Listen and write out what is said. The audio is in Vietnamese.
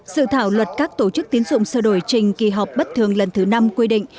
sự thảo luật các tổ chức tín dụng sửa đổi trình kỳ họp bất thường lần thứ năm quy định